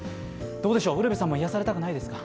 どうでしょう、ウルヴェさんも癒やされたくないですか？